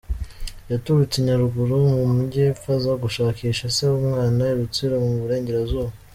Yaturutse i Nyaruguru mu Majyepfo aza gushakisha se w’umwana i Rutsiro mu Burengerazuba.